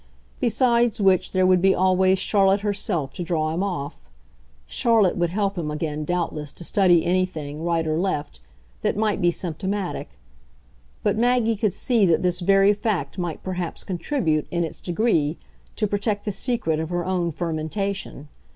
Besides which there would be always Charlotte herself to draw him off. Charlotte would help him again, doubtless, to study anything, right or left, that might be symptomatic; but Maggie could see that this very fact might perhaps contribute, in its degree, to protect the secret of her own fermentation.